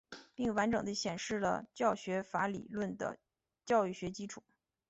并完整地显示了教学法理论的教育学基础。